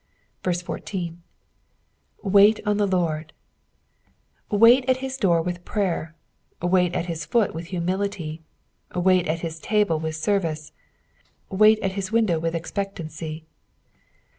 14. " Wait on tht Lin d.'" Wait at his door with prayer ; wiiit at hia foot with humilitj ; wait at his table with service ; wait at his window with ezpectancf.